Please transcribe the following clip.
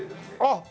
あっ！